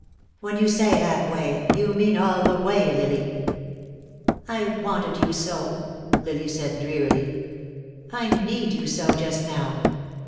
"When you say half way, you mean all the way, Lily." "I wanted you so," Lily said, drearily, "I need you so just now.